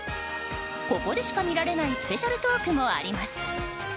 ここでしか見られないスペシャルトークもあります。